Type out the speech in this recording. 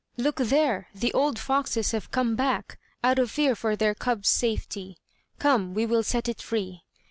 "Look there! the old foxes have come back, out of fear for their cub's safety. Come, we will set it free!"